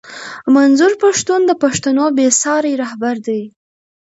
منظور پښتون د پښتنو بې ساری رهبر دی